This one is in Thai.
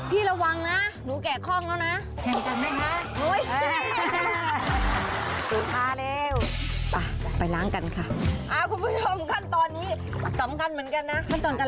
พี่ระวังนะหนูแกะคล่องแล้วนะ